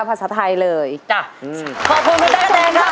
ภาษาไทยเลยจ้ะอืมขอบคุณพี่ตั๊กกะแตนครับ